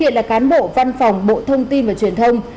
là cán bộ văn phòng bộ thông tin và truyền thông